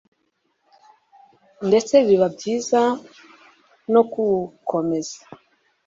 ndetse biba byiza no kuwukomeza